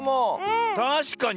たしかに。